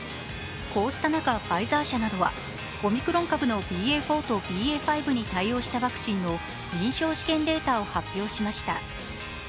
こうした中、ファイザー社などはオミクロン株のＢＡ．４とＢＡ．５に対応したワクチンの臨床試験データを発表しました。